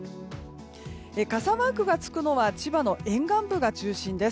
傘マークがつくのは千葉の沿岸部が中心です。